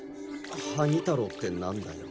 ハニ太郎って何だよ？